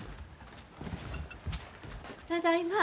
ただいま。